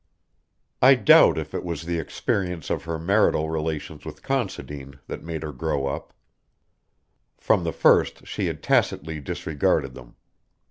I doubt if it was the experience of her marital relations with Considine that made her grow up; from the first she had tacitly disregarded them.